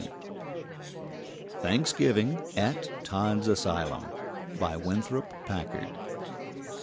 THANKSGIVING AT TODD'S ASYLUM By Winthrop Packard.